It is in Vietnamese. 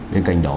bên cạnh đó